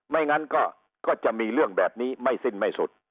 ไม่งั้นก็จะมีเรื่องแบบนี้ไม่สิ้นไม่สุด